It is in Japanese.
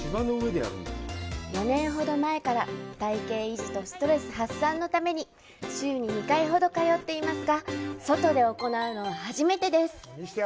４年ほど前から体型維持とストレス発散のために週に２回ほど通っていますが外で行うの初めてです。